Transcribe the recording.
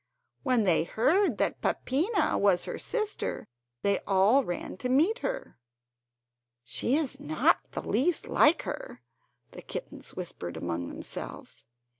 When they heard that Peppina was her sister, they all ran to meet her. "She is not the least like her," the kittens whispered among themselves.